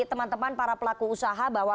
teman teman para pelaku usaha bahwa